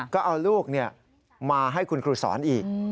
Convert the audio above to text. ก็เอาลูกมาให้คุณครูสอนอีก